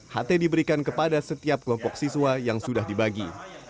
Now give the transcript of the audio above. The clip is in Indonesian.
ht diberikan kepada setiap kelompok siswa yang sudah dibagi